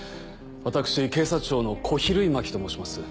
私警察庁の小比類巻と申します。